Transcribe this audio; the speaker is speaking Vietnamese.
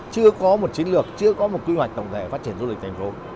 chưa có một chiến lược chưa có một quy hoạch tổng thể phát triển du lịch thành phố